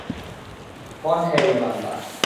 কন হ্যায় ইয়ে বান্দা?